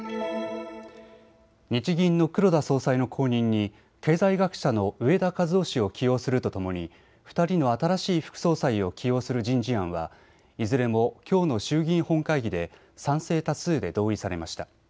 日銀の黒田総裁の後任に経済学者の植田和男氏を起用するとともに２人の新しい副総裁を起用する人事案はいずれもきょうの衆議院本会議で賛成多数で同意されました。